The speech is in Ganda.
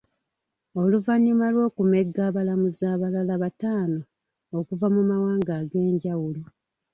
Oluvannyuma lw'okumegga abalamuzi abalala bataano okuva mu mawanga ag'enjawulo.